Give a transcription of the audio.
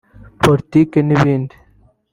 politiki n’ibindi